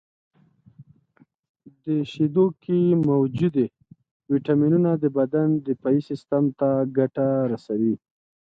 • د شیدو کې موجودې ویټامینونه د بدن دفاعي سیستم ته ګټه رسوي.